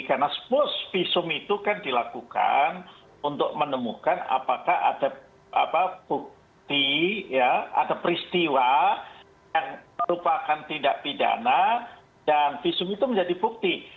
karena sempurna visum itu kan dilakukan untuk menemukan apakah ada bukti ya ada peristiwa yang merupakan tindak pidana dan visum itu menjadi bukti